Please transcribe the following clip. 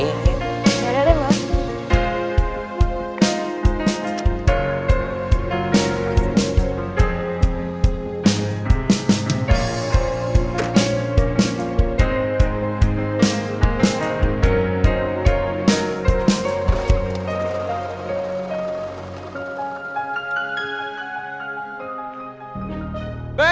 yaudah deh mbak